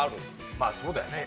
まあそうだよね。